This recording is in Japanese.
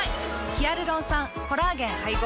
ヒアルロン酸・コラーゲン配合。